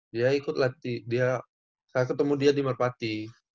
dia ikut lati dia saya ketemu dia di merpati